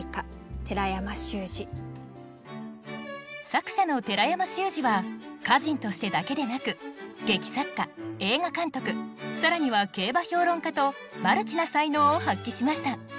作者の寺山修司は歌人としてだけでなく劇作家映画監督更には競馬評論家とマルチな才能を発揮しました。